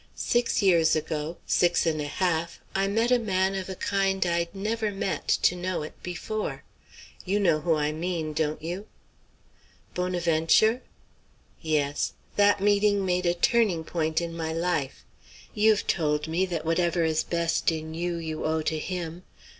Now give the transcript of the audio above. Six years ago six and a half I met a man of a kind I'd never met, to know it, before. You know who' I mean, don't you?" "Bonaventure?" "Yes. That meeting made a turning point in my life. You've told me that whatever is best in you, you owe to him.